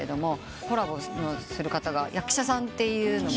コラボする方が役者さんというのも。